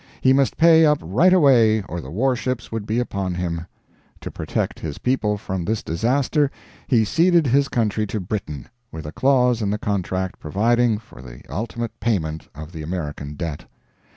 He must pay up right away or the warships would be upon him. To protect his people from this disaster he ceded his country to Britain, with a clause in the contract providing for the ultimate payment of the American debt.